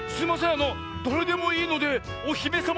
あのだれでもいいのでおひめさま